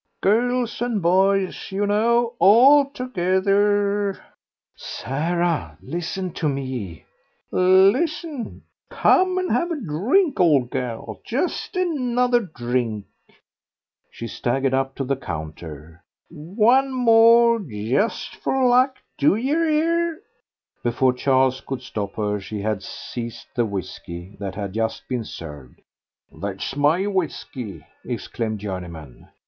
"Girls and boys, you know, all together." "Sarah, listen to me." "Listen! Come and have a drink, old gal, just another drink." She staggered up to the counter. "One more, just for luck; do yer 'ear?" Before Charles could stop her she had seized the whisky that had just been served. "That's my whisky," exclaimed Journeyman.